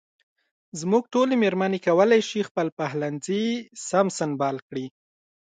زموږ ټولې مېرمنې کولای شي خپل پخلنځي سم سنبال کړي.